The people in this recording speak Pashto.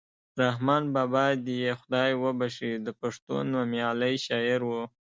رحمان بابا دې یې خدای وبښي د پښتو نومیالی شاعر ؤ.